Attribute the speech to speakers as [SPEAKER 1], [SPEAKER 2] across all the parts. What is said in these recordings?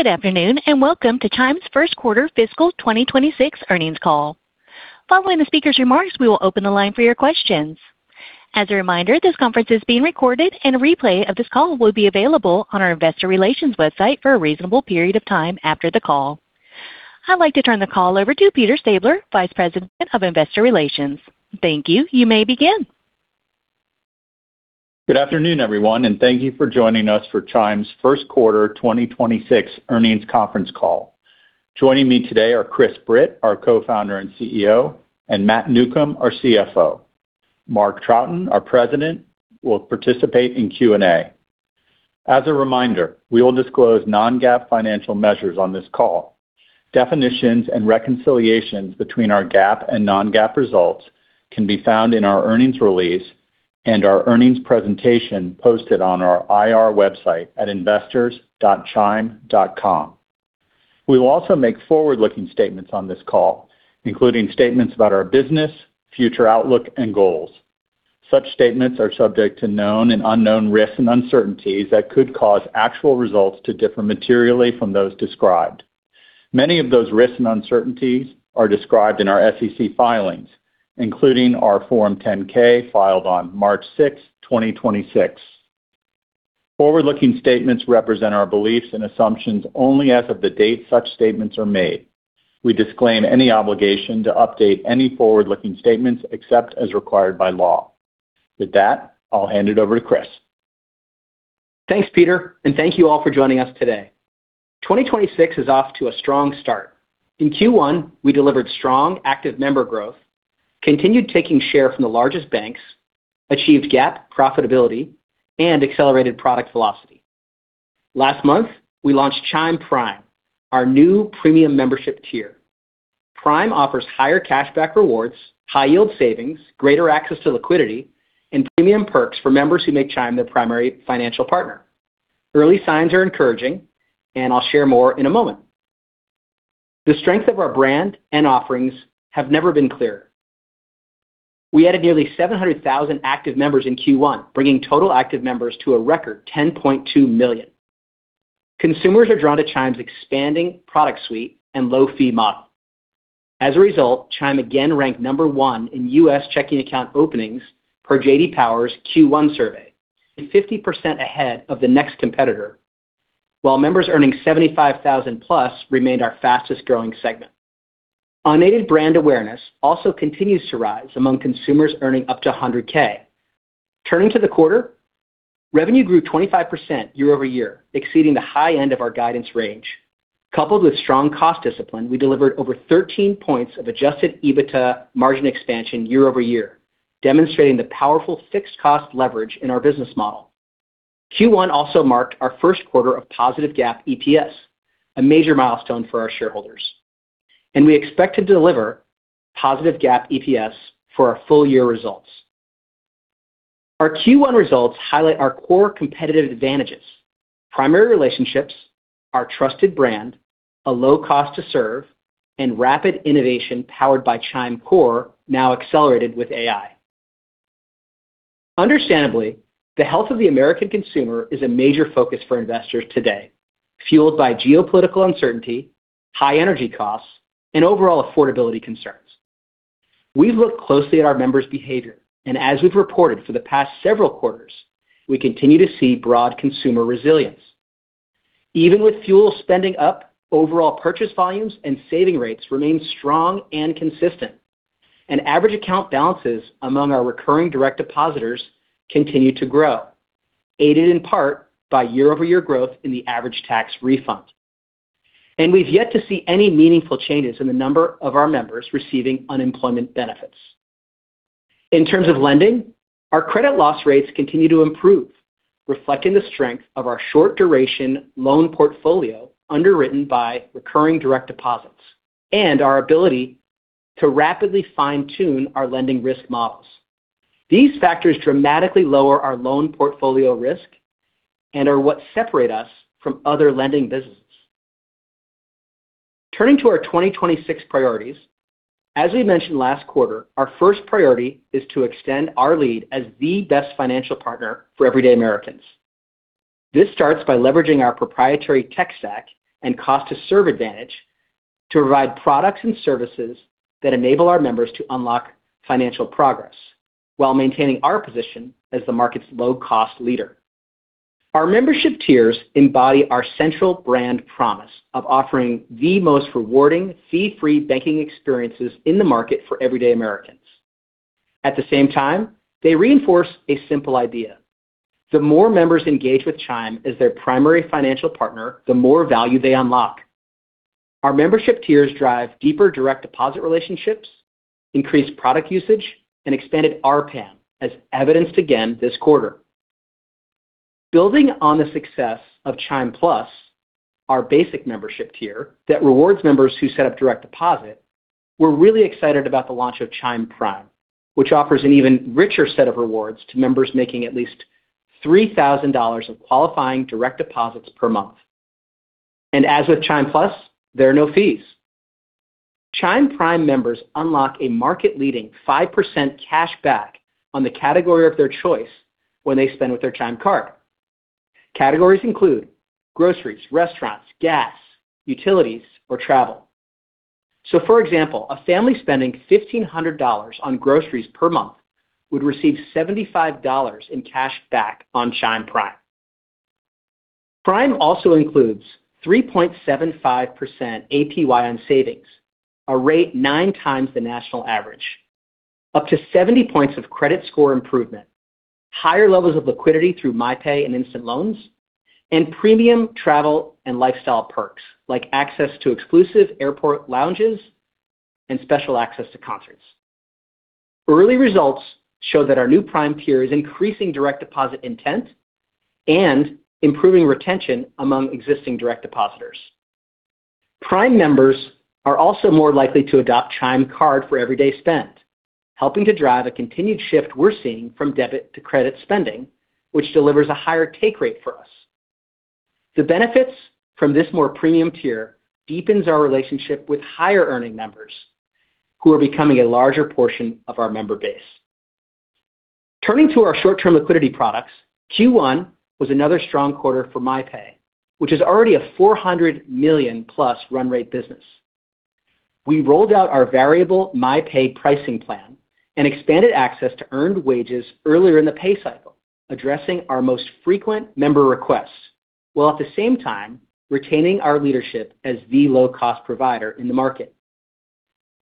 [SPEAKER 1] Good afternoon and welcome to Chime's First Quarter Fiscal 2026 earnings call. Following the speaker's remarks, we will open the line for your questions. As a reminder, this conference is being recorded, and a replay of this call will be available on our investor relations website for a reasonable period of time after the call. I'd like to turn the call over to Peter Stabler, Vice President of Investor Relations. Thank you. You may begin.
[SPEAKER 2] Good afternoon, everyone, and thank you for joining us for Chime's First Quarter 2026 earnings conference call. Joining me today are Chris Britt, our Co-Founder and CEO, and Matt Newcomb, our CFO. Mark Troughton, our President, will participate in Q&A. As a reminder, we will disclose non-GAAP financial measures on this call. Definitions and reconciliations between our GAAP and non-GAAP results can be found in our earnings release and our earnings presentation posted on our IR website at investors.chime.com. We will also make forward-looking statements on this call, including statements about our business, future outlook, and goals. Such statements are subject to known and unknown risks and uncertainties that could cause actual results to differ materially from those described. Many of those risks and uncertainties are described in our SEC filings, including our Form 10-K filed on March 6, 2026. Forward-looking statements represent our beliefs and assumptions only as of the date such statements are made. We disclaim any obligation to update any forward-looking statements except as required by law. With that, I'll hand it over to Chris.
[SPEAKER 3] Thanks, Peter, and thank you all for joining us today. 2026 is off to a strong start. In Q1, we delivered strong active member growth, continued taking share from the largest banks, achieved GAAP profitability, and accelerated product velocity. Last month, we launched Chime Prime, our new premium membership tier. Prime offers higher cashback rewards, high-yield savings, greater access to liquidity, and premium perks for members who make Chime their primary financial partner. Early signs are encouraging, and I'll share more in a moment. The strength of our brand and offerings have never been clearer. We added nearly 700,000 active members in Q1, bringing total active members to a record 10.2 million. Consumers are drawn to Chime's expanding product suite and low-fee model. As a result, Chime again ranked number one in U.S. checking account openings per J.D. Power's Q1 survey and 50% ahead of the next competitor. While members earning $75,000+ remained our fastest-growing segment. Unaided brand awareness also continues to rise among consumers earning up to $100,000. Turning to the quarter, revenue grew 25% year-over-year, exceeding the high end of our guidance range. Coupled with strong cost discipline, we delivered over 13 points of adjusted EBITDA margin expansion year-over-year, demonstrating the powerful fixed cost leverage in our business model. Q1 also marked our first quarter of positive GAAP EPS, a major milestone for our shareholders, and we expect to deliver positive GAAP EPS for our full-year results. Our Q1 results highlight our core competitive advantages, primary relationships, our trusted brand, a low cost to serve, and rapid innovation powered by ChimeCore, now accelerated with AI. Understandably, the health of the American consumer is a major focus for investors today, fueled by geopolitical uncertainty, high energy costs, and overall affordability concerns. We've looked closely at our members' behavior, as we've reported for the past several quarters, we continue to see broad consumer resilience. Even with fuel spending up, overall purchase volumes and saving rates remain strong and consistent, average account balances among our recurring direct depositors continue to grow, aided in part by year-over-year growth in the average tax refund. We've yet to see any meaningful changes in the number of our members receiving unemployment benefits. In terms of lending, our credit loss rates continue to improve, reflecting the strength of our short-duration loan portfolio underwritten by recurring direct deposits and our ability to rapidly fine-tune our lending risk models. These factors dramatically lower our loan portfolio risk and are what separate us from other lending businesses. Turning to our 2026 priorities, as we mentioned last quarter, our first priority is to extend our lead as the best financial partner for everyday Americans. This starts by leveraging our proprietary tech stack and cost to serve advantage to provide products and services that enable our members to unlock financial progress while maintaining our position as the market's low-cost leader. Our membership tiers embody our central brand promise of offering the most rewarding fee-free banking experiences in the market for everyday Americans. At the same time, they reinforce a simple idea. The more members engage with Chime as their primary financial partner, the more value they unlock. Our membership tiers drive deeper direct deposit relationships, increase product usage, and expanded RPAM, as evidenced again this quarter. Building on the success of Chime Plus, our basic membership tier that rewards members who set up direct deposit, we're really excited about the launch of Chime Prime, which offers an even richer set of rewards to members making at least $3,000 of qualifying direct deposits per month. As with Chime Plus, there are no fees. Chime Prime members unlock a market-leading 5% cash back on the category of their choice when they spend with their Chime Card. Categories include groceries, restaurants, gas, utilities, or travel. For example, a family spending $1,500 on groceries per month would receive $75 in cash back on Chime Prime. Prime also includes 3.75% APY on savings, a rate nine times the national average, up to 70 points of credit score improvement, higher levels of liquidity through MyPay and Instant Loans, and premium travel and lifestyle perks like access to exclusive airport lounges and special access to concerts. Early results show that our new Prime tier is increasing direct deposit intent and improving retention among existing direct depositors. Prime members are also more likely to adopt Chime Card for everyday spend. Helping to drive a continued shift we're seeing from debit to credit spending, which delivers a higher take rate for us. The benefits from this more premium tier deepens our relationship with higher-earning members who are becoming a larger portion of our member base. Turning to our short-term liquidity products, Q1 was another strong quarter for MyPay, which is already a $400 million-plus run rate business. We rolled out our variable MyPay pricing plan and expanded access to earned wages earlier in the pay cycle, addressing our most frequent member requests, while at the same time retaining our leadership as the low-cost provider in the market.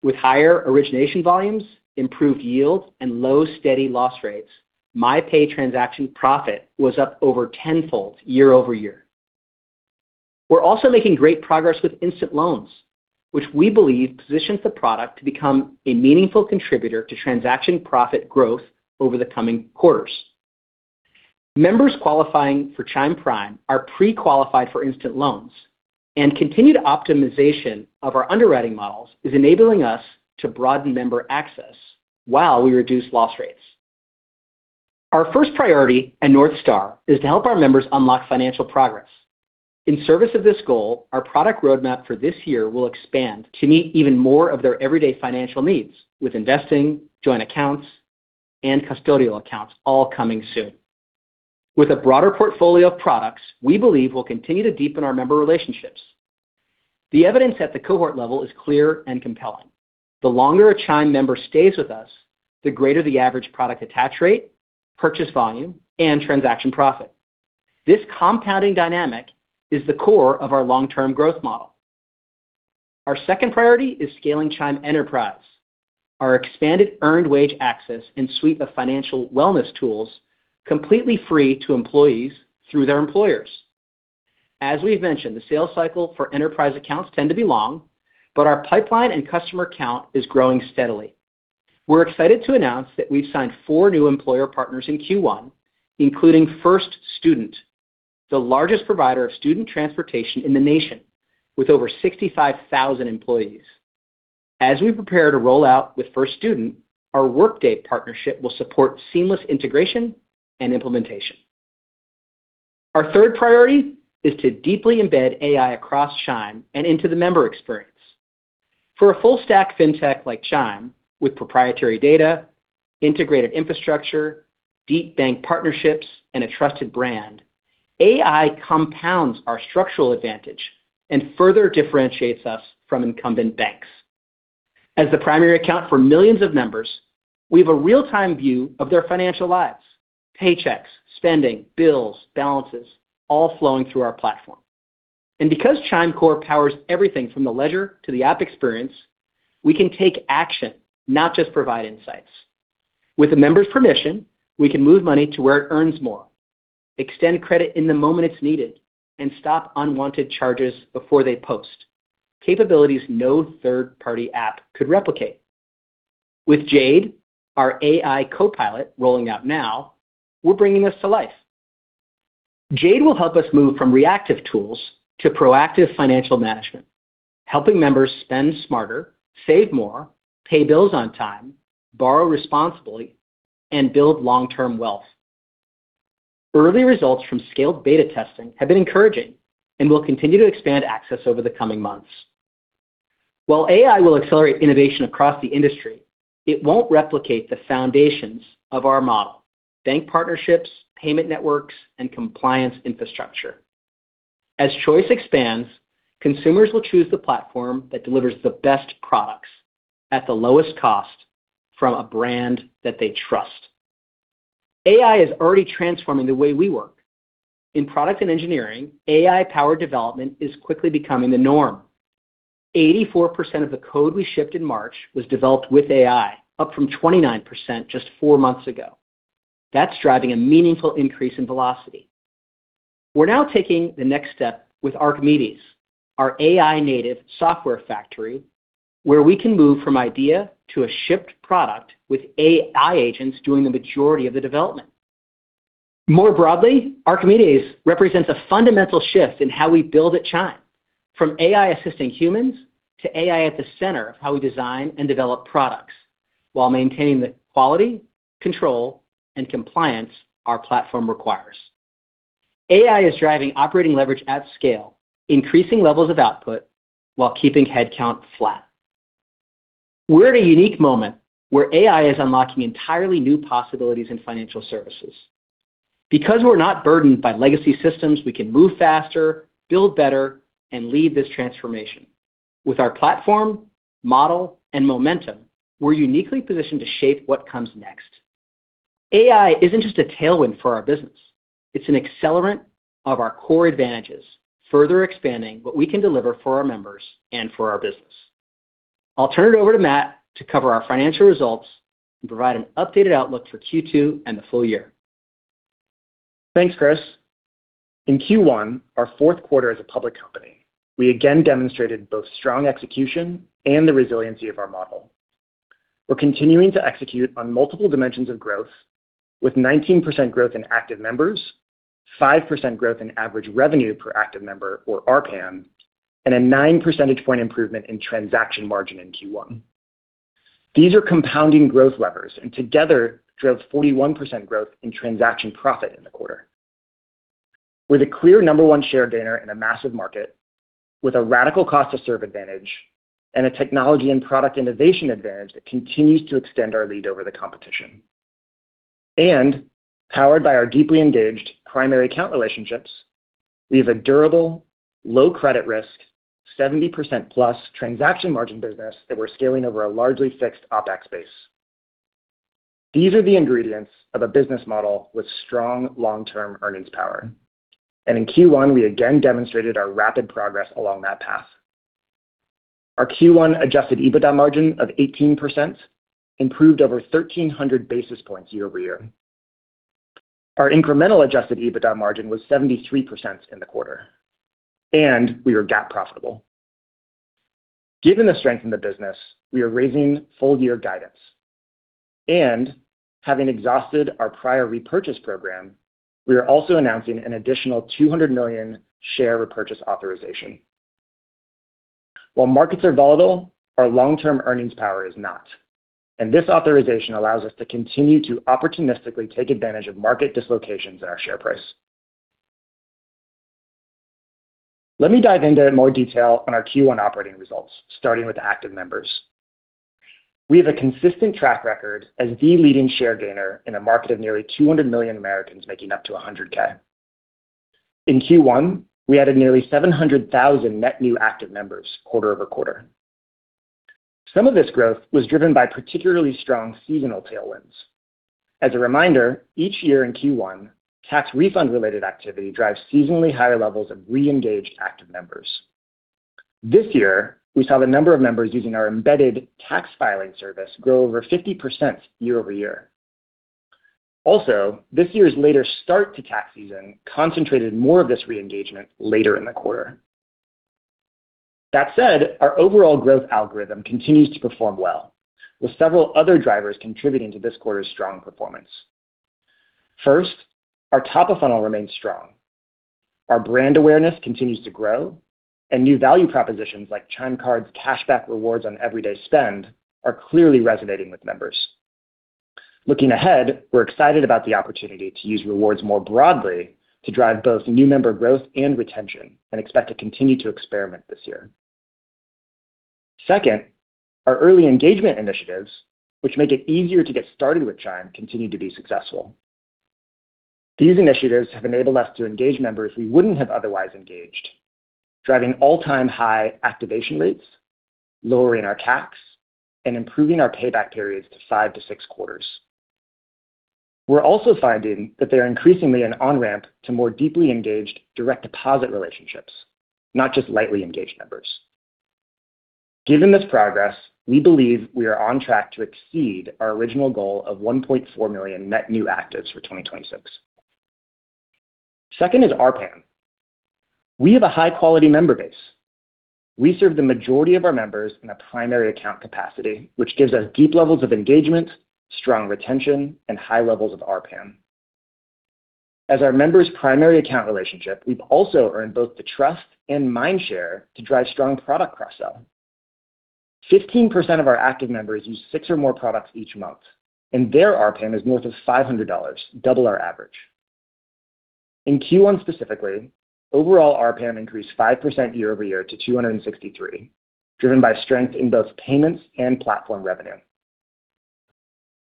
[SPEAKER 3] With higher origination volumes, improved yield, and low steady loss rates, MyPay transaction profit was up over tenfold year-over-year. We're also making great progress with Instant Loans, which we believe positions the product to become a meaningful contributor to transaction profit growth over the coming quarters. Members qualifying for Chime Prime are pre-qualified for Instant Loans, and continued optimization of our underwriting models is enabling us to broaden member access while we reduce loss rates. Our first priority at North Star is to help our members unlock financial progress. In service of this goal, our product roadmap for this year will expand to meet even more of their everyday financial needs with investing, joint accounts, and custodial accounts all coming soon. With a broader portfolio of products, we believe we'll continue to deepen our member relationships. The evidence at the cohort level is clear and compelling. The longer a Chime member stays with us, the greater the average product attach rate, purchase volume, and transaction profit. This compounding dynamic is the core of our long-term growth model. Our second priority is scaling Chime Enterprise, our expanded earned wage access and suite of financial wellness tools completely free to employees through their employers. As we've mentioned, the sales cycle for enterprise accounts tend to be long, but our pipeline and customer count is growing steadily. We're excited to announce that we've signed four new employer partners in Q1, including First Student, the largest provider of student transportation in the nation, with over 65,000 employees. As we prepare to roll out with First Student, our Workday partnership will support seamless integration and implementation. Our third priority is to deeply embed AI across Chime and into the member experience. For a full-stack fintech like Chime, with proprietary data, integrated infrastructure, deep bank partnerships, and a trusted brand, AI compounds our structural advantage and further differentiates us from incumbent banks. As the primary account for millions of members, we have a real-time view of their financial lives, paychecks, spending, bills, balances, all flowing through our platform. Because ChimeCore powers everything from the ledger to the app experience, we can take action, not just provide insights. With a member's permission, we can move money to where it earns more, extend credit in the moment it's needed, and stop unwanted charges before they post, capabilities no third-party app could replicate. With Jade, our AI copilot rolling out now, we're bringing this to life. Jade will help us move from reactive tools to proactive financial management, helping members spend smarter, save more, pay bills on time, borrow responsibly, and build long-term wealth. Early results from scaled beta testing have been encouraging and will continue to expand access over the coming months. While AI will accelerate innovation across the industry, it won't replicate the foundations of our model: bank partnerships, payment networks, and compliance infrastructure. As choice expands, consumers will choose the platform that delivers the best products at the lowest cost from a brand that they trust. AI is already transforming the way we work. In product and engineering, AI-powered development is quickly becoming the norm. 84% of the code we shipped in March was developed with AI, up from 29% just four months ago. That's driving a meaningful increase in velocity. We're now taking the next step with Archimedes, our AI-native software factory, where we can move from idea to a shipped product with AI agents doing the majority of the development. More broadly, Archimedes represents a fundamental shift in how we build at Chime, from AI-assisting humans to AI at the center of how we design and develop products while maintaining the quality, control, and compliance our platform requires. AI is driving operating leverage at scale, increasing levels of output while keeping headcount flat. We're at a unique moment where AI is unlocking entirely new possibilities in financial services. Because we're not burdened by legacy systems, we can move faster, build better, and lead this transformation. With our platform, model, and momentum, we're uniquely positioned to shape what comes next. AI isn't just a tailwind for our business. It's an accelerant of our core advantages, further expanding what we can deliver for our members and for our business. I'll turn it over to Matt to cover our financial results and provide an updated outlook for Q2 and the full year.
[SPEAKER 4] Thanks, Chris. In Q1, our fourth quarter as a public company, we again demonstrated both strong execution and the resiliency of our model. We're continuing to execute on multiple dimensions of growth with 19% growth in active members, 5% growth in average revenue per active member, or RPAM, and a 9 percentage point improvement in transaction margin in Q1. These are compounding growth levers. Together drove 41% growth in transaction profit in the quarter. With a clear number one share gainer in a massive market, with a radical cost to serve advantage, and a technology and product innovation advantage that continues to extend our lead over the competition. Powered by our deeply engaged primary account relationships, we have a durable, low credit risk, 70%+ transaction margin business that we're scaling over a largely fixed OpEx base. These are the ingredients of a business model with strong long-term earnings power. In Q1, we again demonstrated our rapid progress along that path. Our Q1 adjusted EBITDA margin of 18% improved over 1,300 basis points year-over-year. Our incremental adjusted EBITDA margin was 73% in the quarter, and we were GAAP profitable. Given the strength in the business, we are raising full year guidance. Having exhausted our prior repurchase program, we are also announcing an additional $200 million share repurchase authorization. While markets are volatile, our long-term earnings power is not, and this authorization allows us to continue to opportunistically take advantage of market dislocations in our share price. Let me dive into more detail on our Q1 operating results, starting with active members. We have a consistent track record as the leading share gainer in a market of nearly 200 million Americans making up to $100,000. In Q1, we added nearly 700,000 net new active members quarter-over-quarter. Some of this growth was driven by particularly strong seasonal tailwinds. As a reminder, each year in Q1, tax refund-related activity drives seasonally higher levels of re-engaged active members. This year, we saw the number of members using our embedded tax filing service grow over 50% year-over-year. Also, this year's later start to tax season concentrated more of this re-engagement later in the quarter. That said, our overall growth algorithm continues to perform well, with several other drivers contributing to this quarter's strong performance. First, our top of funnel remains strong. Our brand awareness continues to grow, and new value propositions like Chime Card's cashback rewards on everyday spend are clearly resonating with members. Looking ahead, we're excited about the opportunity to use rewards more broadly to drive both new member growth and retention, and expect to continue to experiment this year. Second, our early engagement initiatives, which make it easier to get started with Chime, continue to be successful. These initiatives have enabled us to engage members we wouldn't have otherwise engaged, driving all-time high activation rates, lowering our CAC, and improving our payback periods to five to six quarters. We're also finding that they are increasingly an on-ramp to more deeply engaged direct deposit relationships, not just lightly engaged members. Given this progress, we believe we are on track to exceed our original goal of 1.4 million net new actives for 2026. Second is RPAM. We have a high-quality member base. We serve the majority of our members in a primary account capacity, which gives us deep levels of engagement, strong retention, and high levels of RPAM. As our members' primary account relationship, we've also earned both the trust and mind share to drive strong product cross-sell. 15% of our active members use six or more products each month, and their RPAM is north of $500, double our average. In Q1 specifically, overall RPAM increased 5% year-over-year to $263, driven by strength in both payments and platform revenue.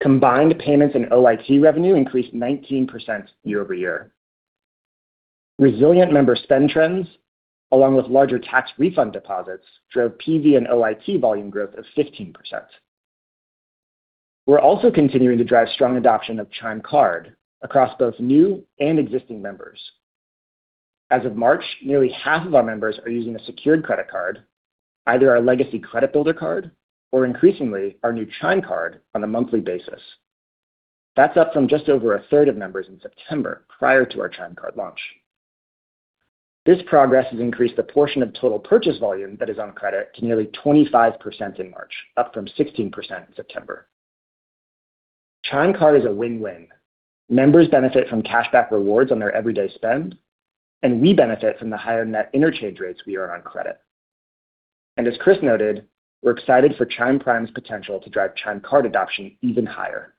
[SPEAKER 4] Combined payments and OIT revenue increased 19% year-over-year. Resilient member spend trends along with larger tax refund deposits drove PV and OIT volume growth of 15%. We're also continuing to drive strong adoption of Chime Card across both new and existing members. As of March, nearly half of our members are using a secured credit card, either our legacy Credit Builder card or increasingly our new Chime Card on a monthly basis. That's up from just over a third of members in September prior to our Chime Card launch. This progress has increased the portion of total purchase volume that is on credit to nearly 25% in March, up from 16% in September. Chime Card is a win-win. Members benefit from cash back rewards on their everyday spend, and we benefit from the higher net interchange rates we earn on credit. As Chris noted, we're excited for Chime Prime's potential to drive Chime Card adoption even higher.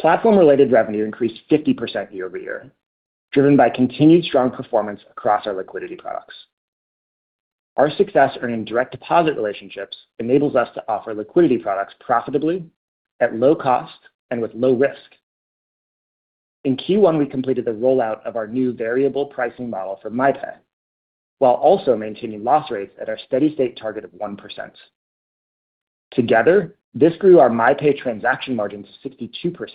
[SPEAKER 4] Platform-related revenue increased 50% year-over-year, driven by continued strong performance across our liquidity products. Our success earning direct deposit relationships enables us to offer liquidity products profitably at low cost and with low risk. In Q1, we completed the rollout of our new variable pricing model for MyPay, while also maintaining loss rates at our steady-state target of 1%. Together, this grew our MyPay transaction margin to 62%,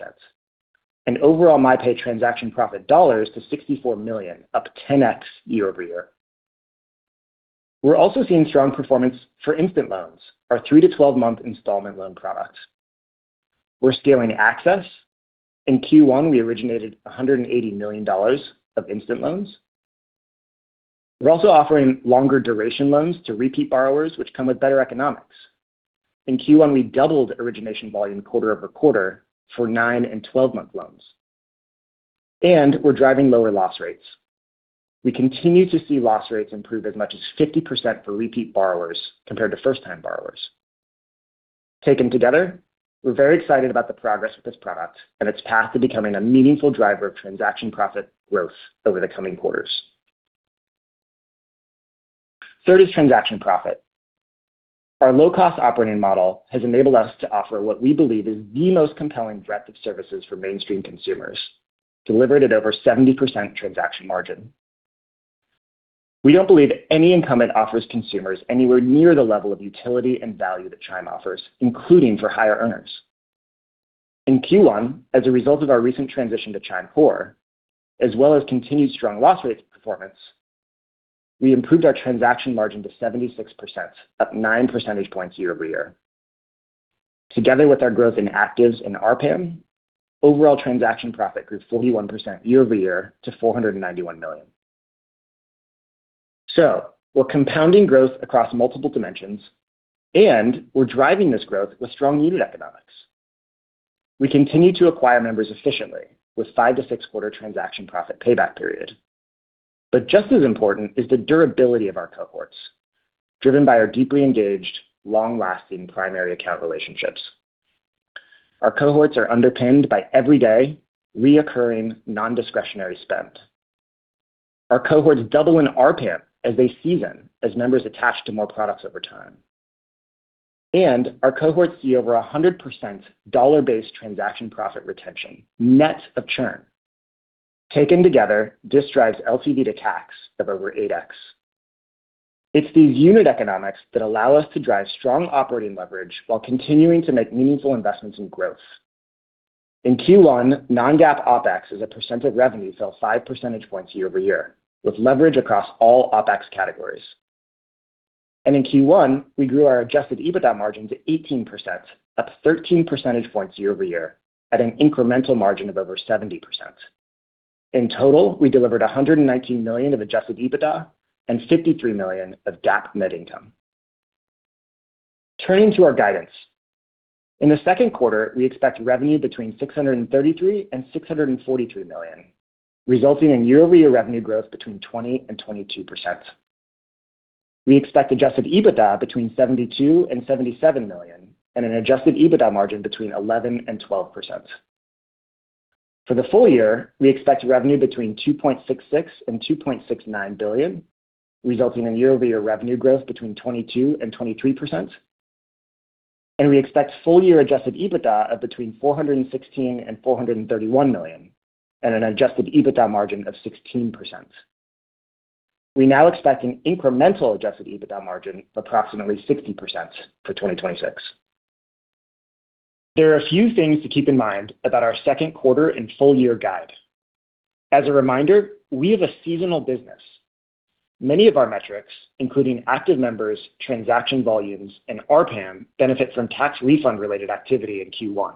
[SPEAKER 4] and overall MyPay transaction profit dollars to $64 million, up 10x year-over-year. We're also seeing strong performance for Instant Loans, our three to 12-month installment loan products. We're scaling access. In Q1, we originated $180 million of Instant Loans. We're also offering longer duration loans to repeat borrowers, which come with better economics. In Q1, we doubled origination volume quarter-over-quarter for nine and 12-month loans. We're driving lower loss rates. We continue to see loss rates improve as much as 50% for repeat borrowers compared to first-time borrowers. Taken together, we're very excited about the progress of this product and its path to becoming a meaningful driver of transaction profit growth over the coming quarters. Third is transaction profit. Our low-cost operating model has enabled us to offer what we believe is the most compelling breadth of services for mainstream consumers, delivered at over 70% transaction margin. We don't believe any incumbent offers consumers anywhere near the level of utility and value that Chime offers, including for higher earners. In Q1, as a result of our recent transition to ChimeCore, as well as continued strong loss rates performance, we improved our transaction margin to 76%, up 9 percentage points year-over-year. Together with our growth in actives and RPAM, overall transaction profit grew 41% year-over-year to $491 million. We're compounding growth across multiple dimensions, and we're driving this growth with strong unit economics. We continue to acquire members efficiently with five to six quarter transaction profit payback period. Just as important is the durability of our cohorts, driven by our deeply engaged, long-lasting primary account relationships. Our cohorts are underpinned by everyday, recurring, non-discretionary spend. Our cohorts double in RPAM as they season, as members attach to more products over time. Our cohorts see over 100% dollar-based transaction profit retention, net of churn. Taken together, this drives LTV to CACs of over 8x. It's these unit economics that allow us to drive strong operating leverage while continuing to make meaningful investments in growth. In Q1, non-GAAP OpEx as a percent of revenue fell 5 percentage points year-over-year, with leverage across all OpEx categories. In Q1, we grew our adjusted EBITDA margin to 18%, up 13 percentage points year-over-year at an incremental margin of over 70%. In total, we delivered $119 million of adjusted EBITDA and $53 million of GAAP net income. Turning to our guidance. In the second quarter, we expect revenue between $633 million and $643 million, resulting in year-over-year revenue growth between 20% and 22%. We expect adjusted EBITDA between $72 million and $77 million and an adjusted EBITDA margin between 11% and 12%. For the full year, we expect revenue between $2.66 billion and $2.69 billion, resulting in year-over-year revenue growth between 22% and 23%. We expect full-year adjusted EBITDA of between $416 million and $431 million and an adjusted EBITDA margin of 16%. We now expect an incremental adjusted EBITDA margin of approximately 60% for 2026. There are a few things to keep in mind about our second quarter and full year guide. As a reminder, we have a seasonal business. Many of our metrics, including active members, transaction volumes, and RPAM, benefit from tax refund-related activity in Q1.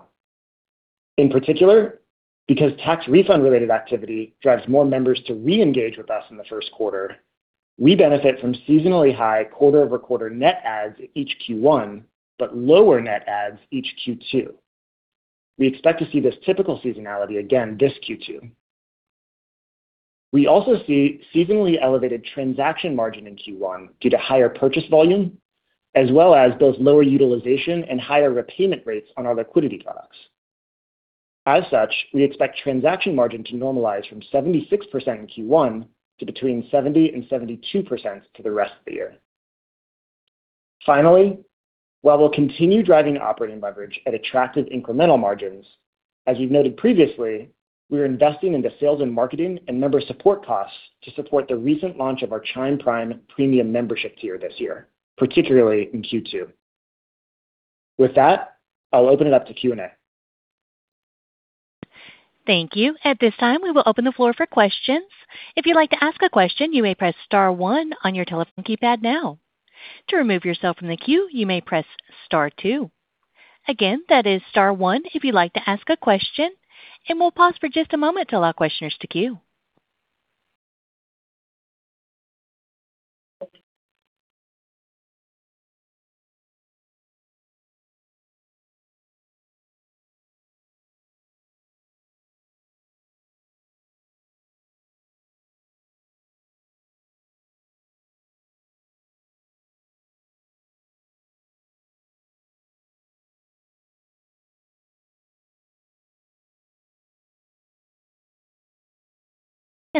[SPEAKER 4] In particular, because tax refund-related activity drives more members to reengage with us in the first quarter, we benefit from seasonally high quarter-over-quarter net adds each Q1, but lower net adds each Q2. We expect to see this typical seasonality again this Q2. We also see seasonally elevated transaction margin in Q1 due to higher purchase volume, as well as both lower utilization and higher repayment rates on our liquidity products. As such, we expect transaction margin to normalize from 76% in Q1 to between 70%-72% for the rest of the year. Finally, while we'll continue driving operating leverage at attractive incremental margins, as we've noted previously, we are investing into sales and marketing and member support costs to support the recent launch of our Chime Prime premium membership tier this year, particularly in Q2. With that, I'll open it up to Q&A.
[SPEAKER 1] Thank you.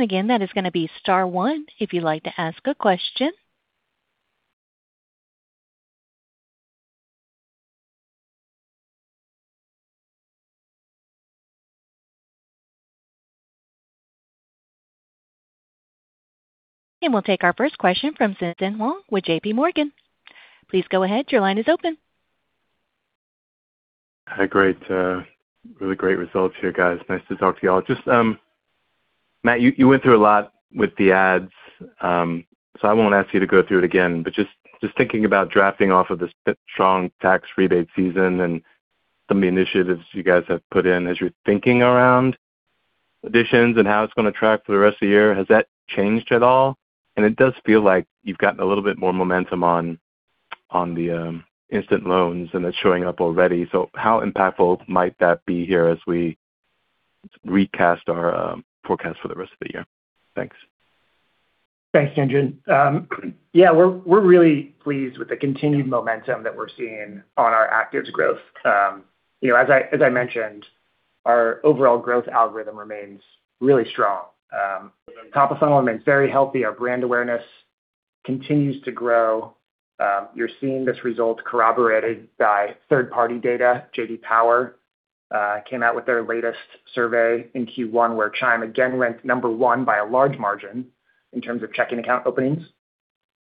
[SPEAKER 1] We'll take our first question from Tien-Tsin Huang with JPMorgan. Please go ahead. Your line is open.
[SPEAKER 5] Hi. Great, really great results here, guys. Nice to talk to you all. Just Matt, you went through a lot with the ads, so I won't ask you to go through it again, but just thinking about drafting off of the strong tax rebate season and some of the initiatives you guys have put in as you're thinking around additions and how it's going to track for the rest of the year. Has that changed at all? It does feel like you've gotten a little bit more momentum on the Instant Loans, and it's showing up already. How impactful might that be here as we recast our forecast for the rest of the year? Thanks.
[SPEAKER 4] Thanks, Tien-Tsin. Yeah, we're really pleased with the continued momentum that we're seeing on our actives growth. You know, as I mentioned, our overall growth algorithm remains really strong. Top-of-funnel remains very healthy. Our brand awareness continues to grow. You're seeing this result corroborated by third-party data. J.D. Power came out with their latest survey in Q1, where Chime again ranked number one by a large margin in terms of checking account openings.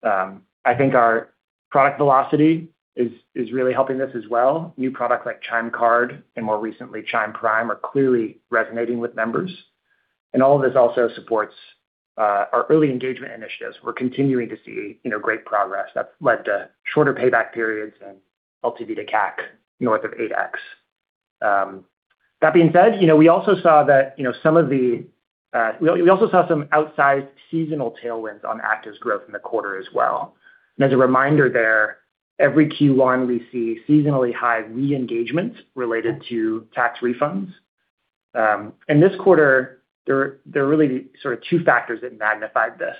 [SPEAKER 4] I think our product velocity is really helping this as well. New products like Chime Card and more recently, Chime Prime are clearly resonating with members. All of this also supports our early engagement initiatives. We're continuing to see, you know, great progress that's led to shorter payback periods and LTV to CAC north of 8x. That being said, you know, we also saw that, you know, some of the We also saw some outsized seasonal tailwinds on actives growth in the quarter as well. As a reminder there, every Q1 we see seasonally high re-engagement related to tax refunds. This quarter, there are really sort of two factors that magnified this.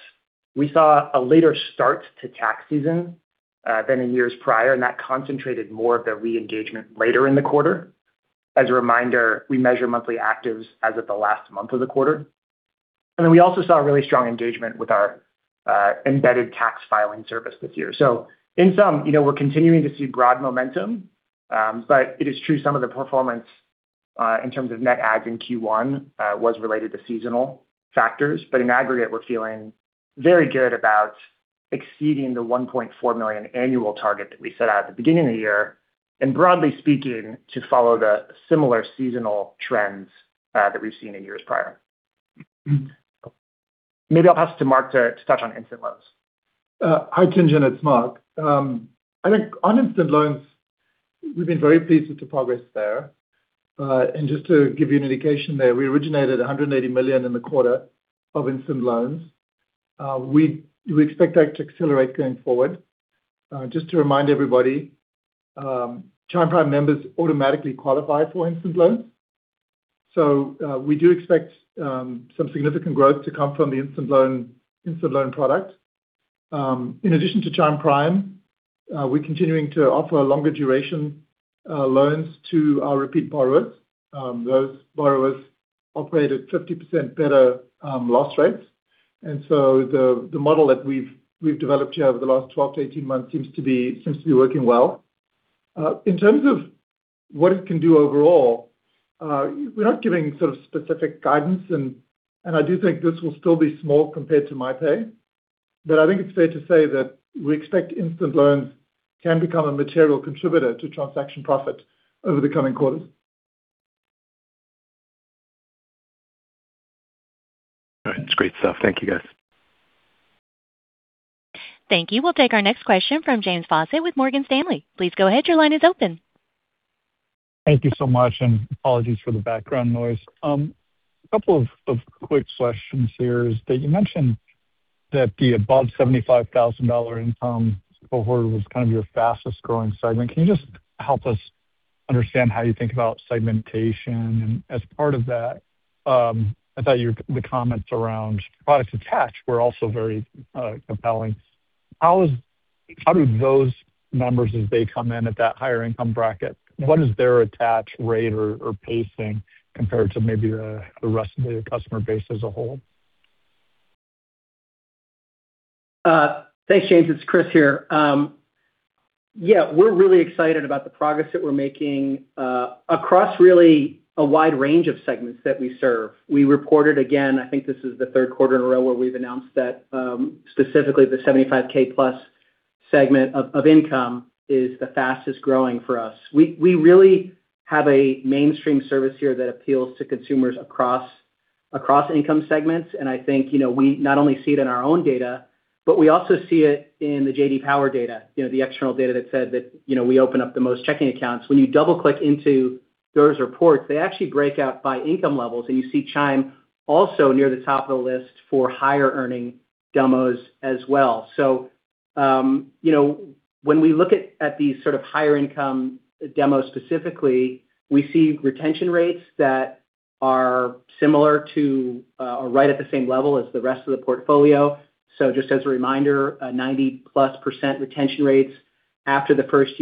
[SPEAKER 4] We saw a later start to tax season than in years prior, that concentrated more of the re-engagement later in the quarter. As a reminder, we measure monthly actives as of the last month of the quarter. We also saw really strong engagement with our embedded tax filing service this year. In sum, you know, we're continuing to see broad momentum, but it is true some of the performance in terms of net adds in Q1 was related to seasonal factors. In aggregate, we're feeling very good about exceeding the 1.4 million annual target that we set out at the beginning of the year. Broadly speaking, to follow the similar seasonal trends that we've seen in years prior. Maybe I'll pass to Mark to touch on Instant Loans.
[SPEAKER 6] Hi, Tien-Tsin, it's Mark. I think on Instant Loans, we've been very pleased with the progress there. Just to give you an indication there, we originated $180 million in the quarter of Instant Loans. We expect that to accelerate going forward. Just to remind everybody, Chime Prime members automatically qualify for Instant Loans. We do expect some significant growth to come from the Instant Loan product. In addition to Chime Prime, we're continuing to offer longer duration loans to our repeat borrowers. Those borrowers operate at 50% better loss rates. The model that we've developed here over the last 12 to 18 months seems to be working well. In terms of what it can do overall, we're not giving sort of specific guidance and I do think this will still be small compared to MyPay, but I think it's fair to say that we expect Instant Loans can become a material contributor to transaction profit over the coming quarters.
[SPEAKER 5] All right. It's great stuff. Thank you, guys.
[SPEAKER 1] Thank you. We'll take our next question from James Faucette with Morgan Stanley. Please go ahead. Your line is open.
[SPEAKER 7] Thank you so much, and apologies for the background noise. A couple of quick questions here is that you mentioned that the above $75,000 income cohort was kind of your fastest-growing segment. Can you just help us understand how you think about segmentation? As part of that, I thought the comments around products attached were also very compelling. How do those members, as they come in at that higher income bracket, what is their attach rate or pacing compared to maybe the rest of the customer base as a whole?
[SPEAKER 3] Thanks, James. It's Chris here. Yeah, we're really excited about the progress that we're making across really a wide range of segments that we serve. We reported again, I think this is the third quarter in a row where we've announced that specifically the $75,000 plus segment of income is the fastest-growing for us. We really have a mainstream service here that appeals to consumers across income segments. I think, you know, we not only see it in our own data, but we also see it in the J.D. Power data, you know, the external data that said that, you know, we open up the most checking accounts. When you double-click into those reports, they actually break out by income levels, and you see Chime also near the top of the list for higher-earning demos as well. You know, when we look at the sort of higher income demo specifically, we see retention rates that are similar to or right at the same level as the rest of the portfolio. Just as a reminder, 90% plus retention rates after the first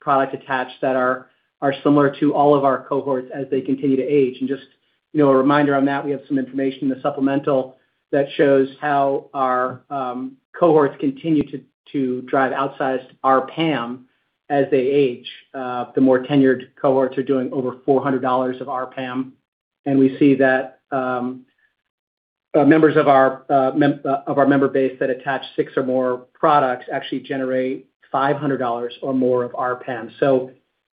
[SPEAKER 3] year. We see very high levels of product attached that are similar to all of our cohorts as they continue to age. Just, you know, a reminder on that, we have some information in the supplemental that shows how our cohorts continue to drive outsized RPAM as they age. The more tenured cohorts are doing over $400 of RPAM. We see that members of our member base that attach six or more products actually generate $500 or more of RPAM.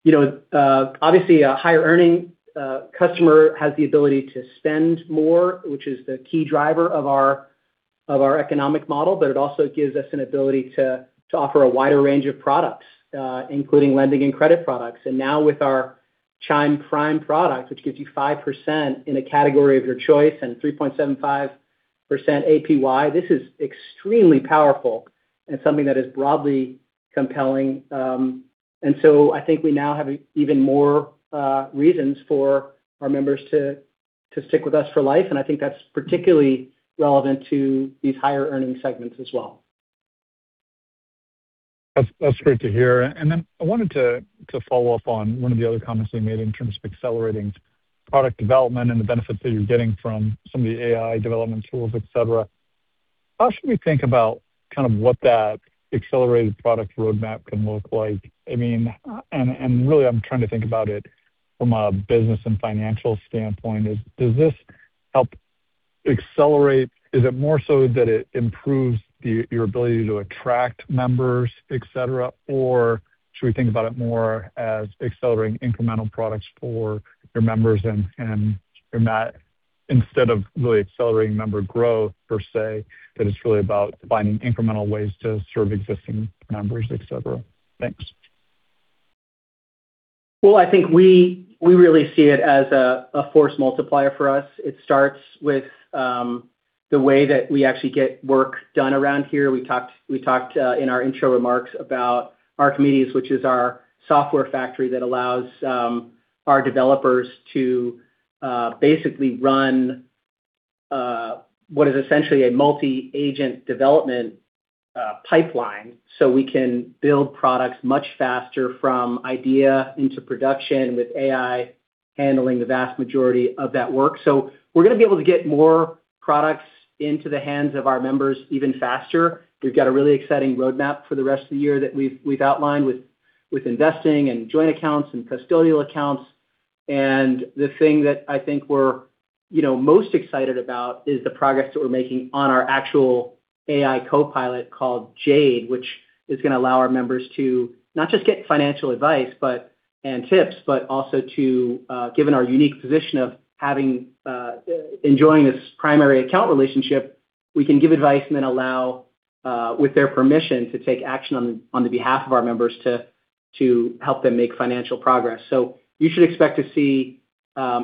[SPEAKER 3] You know, obviously a higher earning customer has the ability to spend more, which is the key driver Of our economic model, but it also gives us an ability to offer a wider range of products, including lending and credit products. With our Chime Prime product, which gives you 5% in a category of your choice and 3.75% APY, this is extremely powerful and something that is broadly compelling. I think we now have even more reasons for our members to stick with us for life, and I think that's particularly relevant to these higher earning segments as well.
[SPEAKER 7] That's great to hear. Then I wanted to follow up on one of the other comments you made in terms of accelerating product development and the benefits that you're getting from some of the AI development tools, et cetera. How should we think about kind of what that accelerated product roadmap can look like? I mean, really I'm trying to think about it from a business and financial standpoint. Does this help accelerate? Is it more so that it improves your ability to attract members, et cetera? Or should we think about it more as accelerating incremental products for your members and from that, instead of really accelerating member growth, per se, that it's really about finding incremental ways to serve existing members, et cetera? Thanks.
[SPEAKER 3] Well, I think we really see it as a force multiplier for us. It starts with the way that we actually get work done around here. We talked in our intro remarks about Archimedes, which is our software factory that allows our developers to basically run what is essentially a multi-agent development pipeline, so we can build products much faster from idea into production with AI handling the vast majority of that work. We're gonna be able to get more products into the hands of our members even faster. We've got a really exciting roadmap for the rest of the year that we've outlined with investing and joint accounts and custodial accounts. The thing that I think we're, you know, most excited about is the progress that we're making on our actual AI copilot called Jade, which is gonna allow our members to not just get financial advice, but and tips, but also to given our unique position of having enjoying this primary account relationship, we can give advice and then allow with their permission, to take action on the behalf of our members to help them make financial progress. You should expect to see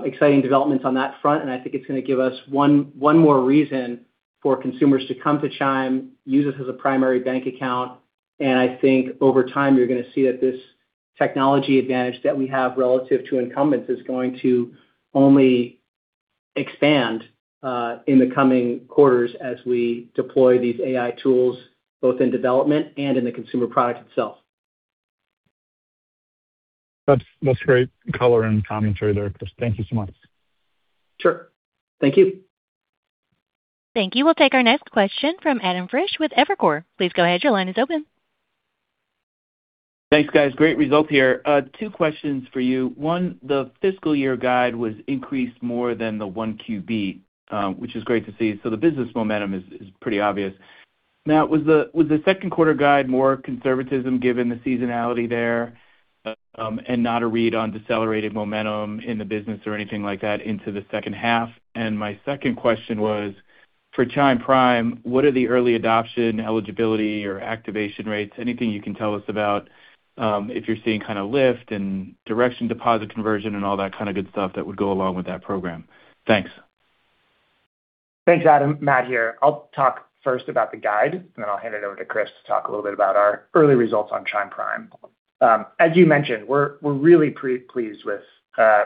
[SPEAKER 3] exciting developments on that front, and I think it's gonna give us one more reason for consumers to come to Chime, use us as a primary bank account. I think over time, you're going to see that this technology advantage that we have relative to incumbents is going to only expand in the coming quarters as we deploy these AI tools, both in development and in the consumer product itself.
[SPEAKER 7] That's great color and commentary there, Chris. Thank you so much.
[SPEAKER 3] Sure. Thank you.
[SPEAKER 1] Thank you. We'll take our next question from Adam Frisch with Evercore. Please go ahead. Your line is open.
[SPEAKER 8] Thanks, guys. Great results here. Two questions for you. One, the fiscal year guide was increased more than the Q1, which is great to see. The business momentum is pretty obvious. Was the second quarter guide more conservatism given the seasonality there, and not a read on decelerating momentum in the business or anything like that into the second half? My second question was, for Chime Prime, what are the early adoption eligibility or activation rates? Anything you can tell us about if you're seeing kind of lift and direction deposit conversion and all that kind of good stuff that would go along with that program. Thanks.
[SPEAKER 4] Thanks, Adam. Matt here. I'll talk first about the guide, and then I'll hand it over to Chris to talk a little bit about our early results on Chime Prime. As you mentioned, we're really pre-pleased with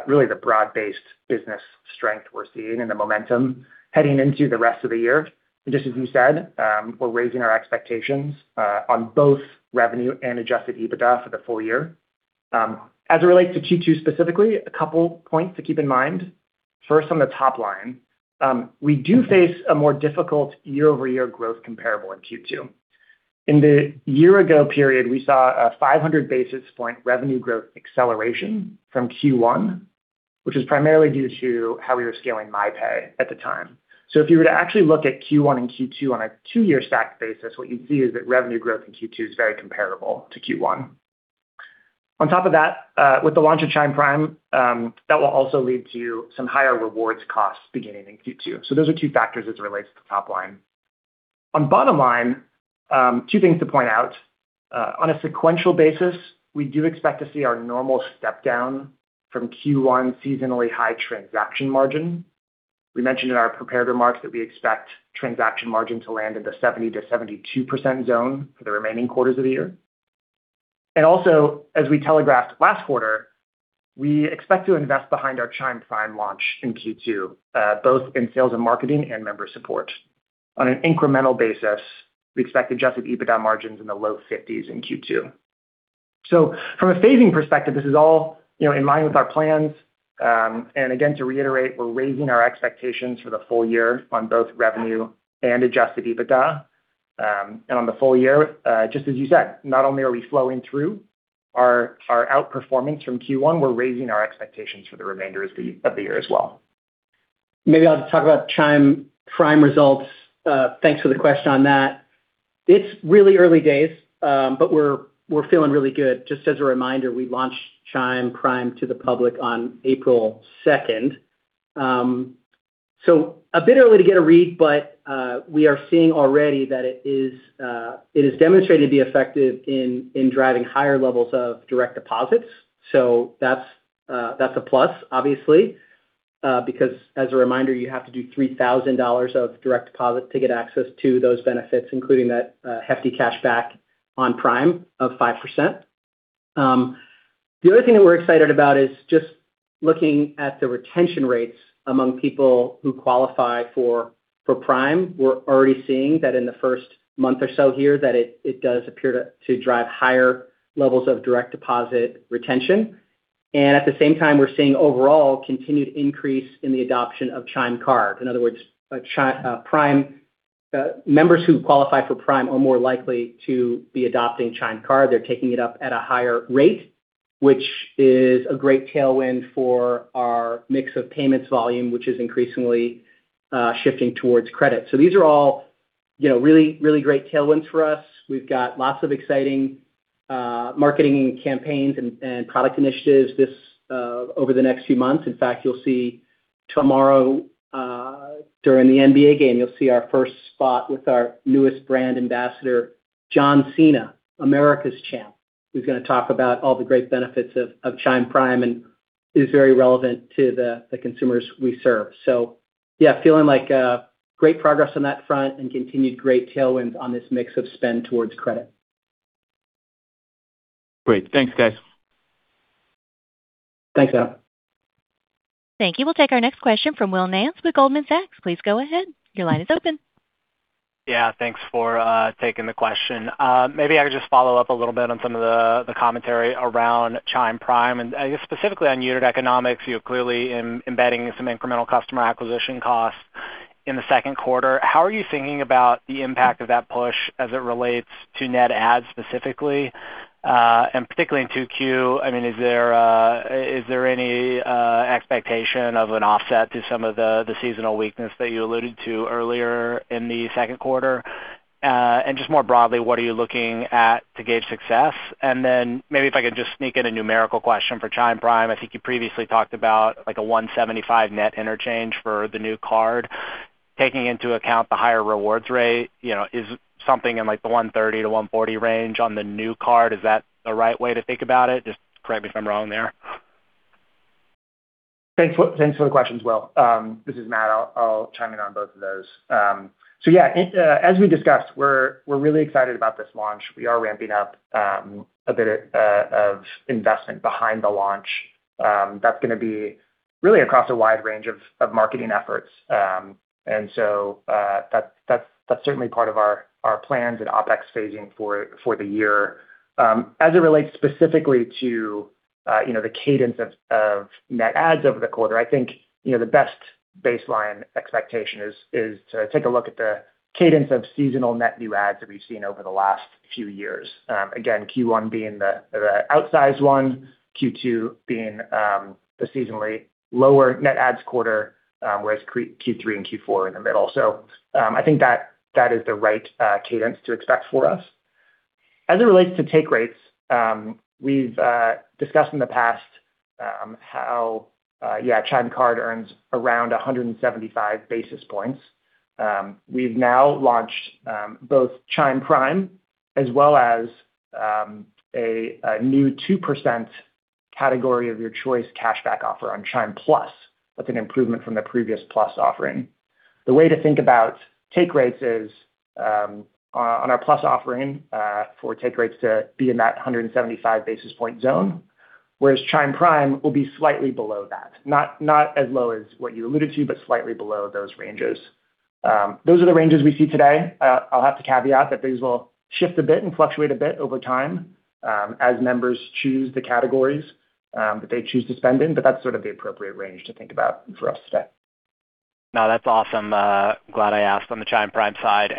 [SPEAKER 4] really the broad-based business strength we're seeing and the momentum heading into the rest of the year. Just as you said, we're raising our expectations on both revenue and adjusted EBITDA for the full year. As it relates to Q2 specifically, a couple points to keep in mind. First, on the top line, we do face a more difficult year-over-year growth comparable in Q2. In the year ago period, we saw a 500 basis point revenue growth acceleration from Q1, which is primarily due to how we were scaling MyPay at the time. If you were to actually look at Q1 and Q2 on a two-year stack basis, what you'd see is that revenue growth in Q2 is very comparable to Q1. On top of that, with the launch of Chime Prime, that will also lead to some higher rewards costs beginning in Q2. Those are two factors as it relates to top line. On bottom line, two things to point out. On a sequential basis, we do expect to see our normal step down from Q1 seasonally high transaction margin. We mentioned in our prepared remarks that we expect transaction margin to land in the 70%-72% zone for the remaining quarters of the year. Also, as we telegraphed last quarter, we expect to invest behind our Chime Prime launch in Q2, both in sales and marketing and member support. On an incremental basis, we expect adjusted EBITDA margins in the low 50s in Q2. From a phasing perspective, this is all, you know, in line with our plans. Again, to reiterate, we're raising our expectations for the full year on both revenue and adjusted EBITDA, and on the full year, just as you said, not only are we flowing through our outperformance from Q1, we're raising our expectations for the remainder of the year as well.
[SPEAKER 3] Maybe I'll just talk about Chime Prime results. Thanks for the question on that. It's really early days, but we're feeling really good. Just as a reminder, we launched Chime Prime to the public on April 2nd. A bit early to get a read, but we are seeing already that it has demonstrated to be effective in driving higher levels of direct deposits. That's a plus, obviously. Because as a reminder, you have to do $3,000 of direct deposit to get access to those benefits, including that hefty cashback on Prime of 5%. The other thing that we're excited about is just looking at the retention rates among people who qualify for Prime. We're already seeing that in the 1st month or so here, that it does appear to drive higher levels of direct deposit retention. At the same time, we're seeing overall continued increase in the adoption of Chime Card. In other words, Prime members who qualify for Prime are more likely to be adopting Chime Card. They're taking it up at a higher rate, which is a great tailwind for our mix of payments volume, which is increasingly shifting towards credit. These are all, you know, really, really great tailwinds for us. We've got lots of exciting marketing campaigns and product initiatives this over the next few months. In fact, you'll see tomorrow, during the NBA game, you'll see our first spot with our newest brand ambassador, John Cena, America's champ, who's gonna talk about all the great benefits of Chime Prime and is very relevant to the consumers we serve. Yeah, feeling like great progress on that front and continued great tailwinds on this mix of spend towards credit.
[SPEAKER 8] Great. Thanks, guys.
[SPEAKER 3] Thanks, Adam.
[SPEAKER 1] Thank you. We'll take our next question from Will Nance with Goldman Sachs. Please go ahead. Your line is open.
[SPEAKER 9] Yeah, thanks for taking the question. Maybe I could just follow up a little bit on some of the commentary around Chime Prime, and I guess specifically on unit economics. You're clearly embedding some incremental customer acquisition costs in the second quarter. How are you thinking about the impact of that push as it relates to net adds specifically, and particularly in Q2? I mean, is there any expectation of an offset to some of the seasonal weakness that you alluded to earlier in the second quarter? Just more broadly, what are you looking at to gauge success? Then maybe if I could just sneak in a numerical question for Chime Prime. I think you previously talked about like a $1.75 net interchange for the new card. Taking into account the higher rewards rate, you know, is something in like the 130-140 range on the new card, is that the right way to think about it? Just correct me if I'm wrong there.
[SPEAKER 4] Thanks for the questions, Will. This is Matt. I'll chime in on both of those. Yeah, it, as we discussed, we're really excited about this launch. We are ramping up a bit of investment behind the launch, that's gonna be really across a wide range of marketing efforts. That's certainly part of our plans and OpEx phasing for the year. As it relates specifically to, you know, the cadence of net adds over the quarter, I think, you know, the best baseline expectation is to take a look at the cadence of seasonal net new adds that we've seen over the last few years. Again, Q1 being the outsized one, Q2 being the seasonally lower net adds quarter, whereas Q3 and Q4 are in the middle. I think that is the right cadence to expect for us. As it relates to take rates, we've discussed in the past how Chime Card earns around 175 basis points. We've now launched both Chime Prime as well as a new 2% category of your choice cashback offer on Chime Plus. That's an improvement from the previous Plus offering. The way to think about take rates is on our Plus offering, for take rates to be in that 175 basis point zone, whereas Chime Prime will be slightly below that. Not as low as what you alluded to, but slightly below those ranges. Those are the ranges we see today. I'll have to caveat that these will shift a bit and fluctuate a bit over time, as members choose the categories that they choose to spend in, but that's sort of the appropriate range to think about for us today.
[SPEAKER 9] That's awesome. Glad I asked on the Chime Prime side.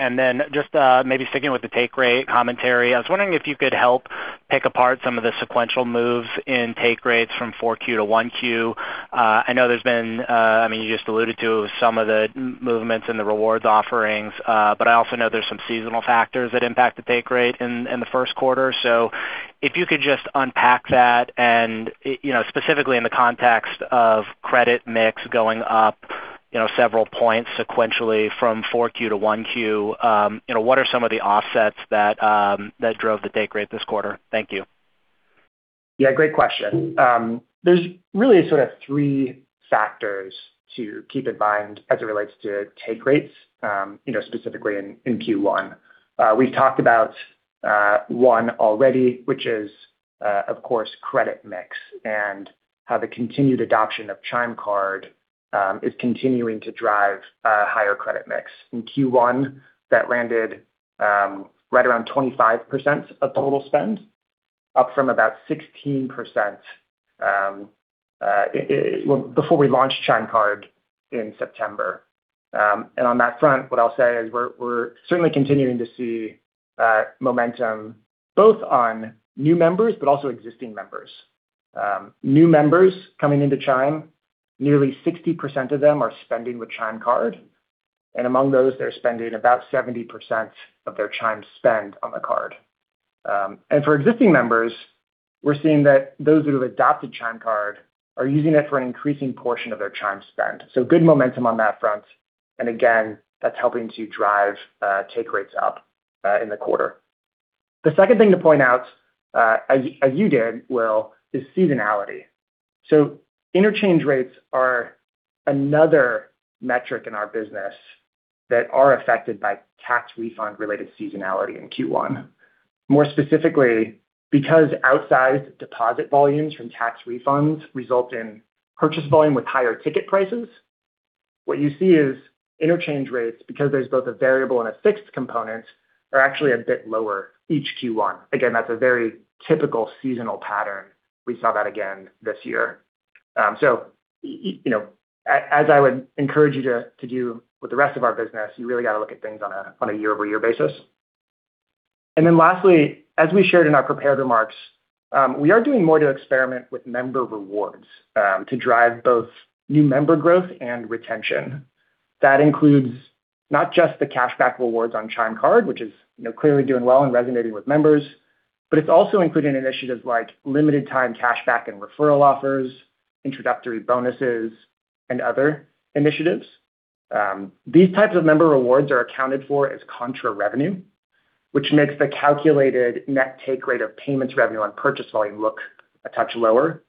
[SPEAKER 9] Just, maybe sticking with the take rate commentary. I was wondering if you could help pick apart some of the sequential moves in take rates from Q4 to Q1. I know there's been, I mean, you just alluded to some of the movements in the rewards offerings, but I also know there's some seasonal factors that impact the take rate in the first quarter. If you could just unpack that and, you know, specifically in the context of credit mix going up, you know, several points sequentially from Q4 to Q1. You know, what are some of the offsets that drove the take rate this quarter? Thank you.
[SPEAKER 4] Yeah, great question. There's really sort of three factors to keep in mind as it relates to take rates, you know, specifically in Q1. We've talked about one already, which is, of course, credit mix and how the continued adoption of Chime Card is continuing to drive higher credit mix. In Q1, that landed right around 25% of total spend, up from about 16%, well, before we launched Chime Card in September. On that front, what I'll say is we're certainly continuing to see momentum both on new members but also existing members. New members coming into Chime, nearly 60% of them are spending with Chime Card. Among those, they're spending about 70% of their Chime spend on the card. For existing members, we're seeing that those who have adopted Chime Card are using it for an increasing portion of their Chime spend. Good momentum on that front. Again, that's helping to drive take rates up in the quarter. The second thing to point out, as you did, Will, is seasonality. Interchange rates are another metric in our business that are affected by tax refund-related seasonality in Q1. More specifically, because outsized deposit volumes from tax refunds result in purchase volume with higher ticket prices, what you see is interchange rates because there's both a variable and a fixed component are actually a bit lower each Q1. Again, that's a very typical seasonal pattern. We saw that again this year. You know, as I would encourage you to do with the rest of our business, you really gotta look at things on a year-over-year basis. Then lastly, as we shared in our prepared remarks, we are doing more to experiment with member rewards to drive both new member growth and retention. That includes not just the cashback rewards on Chime Card, which is, you know, clearly doing well and resonating with members, but it's also including initiatives like limited-time cashback and referral offers, introductory bonuses, and other initiatives. These types of member rewards are accounted for as contra revenue, which makes the calculated net take rate of payments revenue on purchase volume look a touch lower.